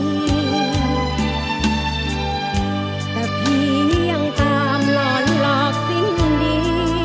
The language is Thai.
แต่พี่ยังตามหลานหลอกสิ้นดี